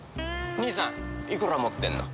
兄さんいくら持ってんの？